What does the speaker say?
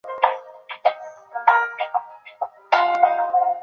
由北京市监察委员会调查终结